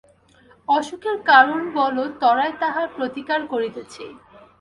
অসুখের কারণ বল ত্বরায় তাহার প্রতীকার করিতেছি।